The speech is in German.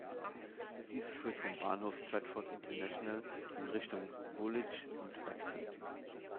Diese führt vom Bahnhof Stratford International in Richtung Woolwich und Beckton.